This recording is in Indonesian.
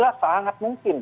dengan gerinda sangat mungkin